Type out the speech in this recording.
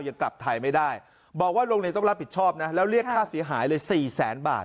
ยังกลับไทยไม่ได้บอกว่าโรงเรียนต้องรับผิดชอบนะแล้วเรียกค่าเสียหายเลย๔แสนบาท